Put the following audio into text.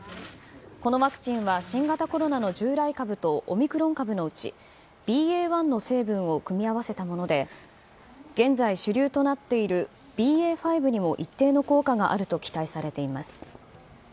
このワクチンは新型コロナの従来株とオミクロン株のうち、ＢＡ．１の成分を組み合わせたもので、現在、主流となっているＢＡ．５にも一定の効果があると期待されています。